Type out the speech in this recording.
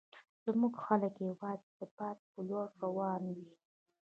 زموږ خلک یوازې د باد په لور روان وي.